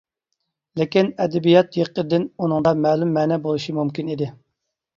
لېكىن ئەدەبىيات يېقىدىن ئۇنىڭدا مەلۇم مەنە بولۇشى مۇمكىن ئىدى.